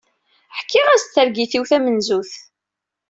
Ḥkiɣ-as-d targit-iw tamenzut.